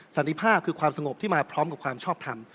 สันติภาพคือความสงบที่มาพร้อมกับความชอบทำ